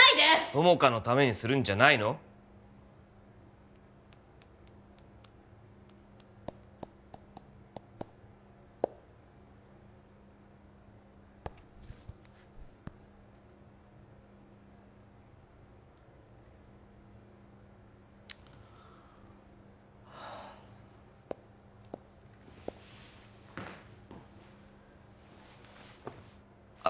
友果のためにするんじゃないの？はああ